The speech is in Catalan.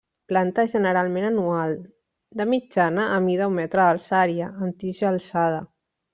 Planta generalment anual, de mitjana amida un metre d'alçària, amb tija alçada.